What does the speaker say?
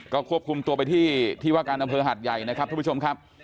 ก็ควบคุมตัวไปที่ที่ว่าการอำเภอหัดใหญ่นะครับทุกผู้ชมครับ